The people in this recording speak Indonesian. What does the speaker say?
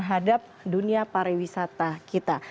terhadap dunia pariwisata kita